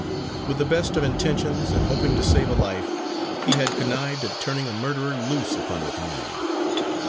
With the best of intentions, and hoping to save a life, he had connived at turning a murderer loose upon the community.